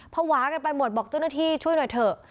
ภาวะกันไปหมดบอกเจ้าหน้าที่ช่วยหน่อยเถอะ